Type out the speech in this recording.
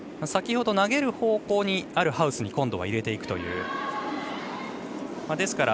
先ほど投げる方向にあるハウスに今度は入れていきます。